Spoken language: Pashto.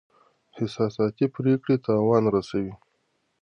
احساساتي پریکړې تاوان رسوي.